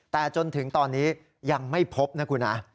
แต่จนถึงตอนนี้ยังไม่พบนะคุณนะ